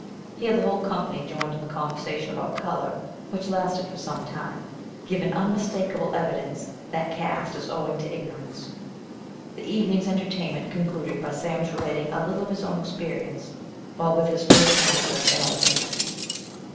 Here the whole company joined in the conversation about colour, which lasted for some time, giving unmistakeable evidence that caste is owing to ignorance. The evening's entertainment concluded by Sam's relating a little of his own experience while with his first master in old Kentucky.